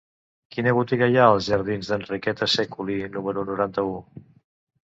Quina botiga hi ha als jardins d'Enriqueta Sèculi número noranta-u?